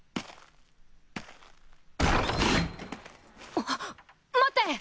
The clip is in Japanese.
あっ待って！